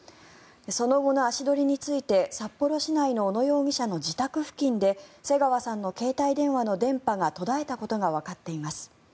その後の足取りについて札幌市内の小野容疑者の自宅付近で瀬川さんの携帯電話の電波が途絶えたことがわかっています。